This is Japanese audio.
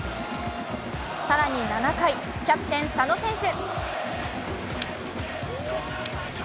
更に７回、キャプテン・佐野選手。